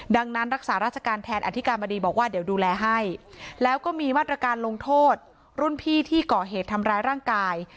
ดังนั้นรักษาราชการแทนอธิการบดีบอกว่าเดี๋ยวดูแลให้แล้วก็มีมาตรการลงโทษรุ่นพี่ที่ก่อเหตุทำร้ายร่างกาย